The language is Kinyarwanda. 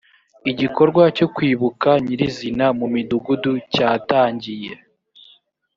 igikorwa cyo kwibuka nyirizina mu midugudu cyatangiye.